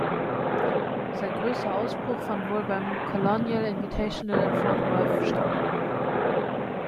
Sein größter Ausbruch fand wohl beim Colonial Invitational in Fort Worth statt.